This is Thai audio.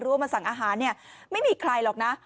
ว่ามาสั่งอาหารเนี่ยไม่มีใครหรอกนะ